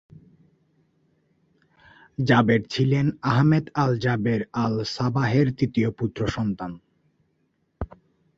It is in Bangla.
জাবের ছিলেন আহমেদ আল-জাবের আল-সাবাহের তৃতীয় পুত্র সন্তান।